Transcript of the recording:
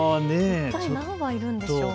何羽いるんでしょうか。